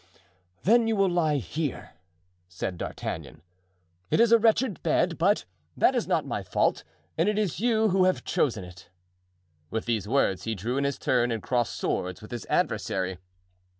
"Then you will lie here," said D'Artagnan. "It is a wretched bed, but that is not my fault, and it is you who have chosen it." With these words he drew in his turn and crossed swords with his adversary.